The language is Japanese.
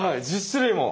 １０種類も。